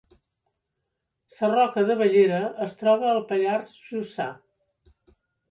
Sarroca de Bellera es troba al Pallars Jussà